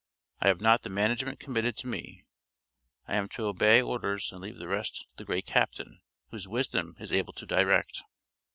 I have not the management committed to me. I am to obey orders, and leave the rest to the great Captain whose wisdom is able to direct.